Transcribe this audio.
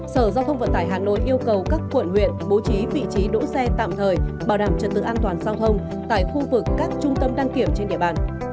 sở giao thông vận tải hà nội yêu cầu các quận huyện bố trí vị trí đỗ xe tạm thời bảo đảm trật tự an toàn giao thông tại khu vực các trung tâm đăng kiểm trên địa bàn